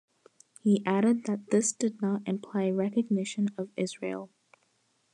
He added that this did not imply recognition of Israel.